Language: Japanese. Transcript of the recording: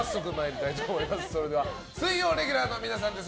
それでは水曜レギュラーの皆さんです。